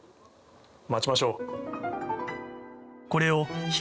待ちましょう。